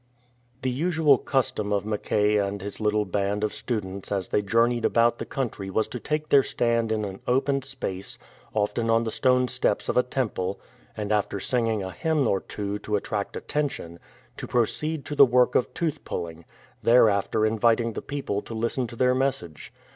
The usual custom of Mackay and his little band of students as they journeyed about the country was to take their stand in an open space, often on the stone steps of a temple, and after singing a hymn or two to attract atten tion, to proceed to the work of tooth pulling, thereafter inviting the people to listen to their message.